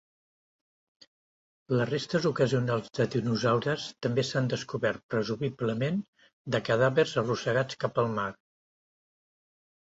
Les restes ocasionals de dinosaures també s'han descobert, presumiblement de cadàvers arrossegats cap al mar.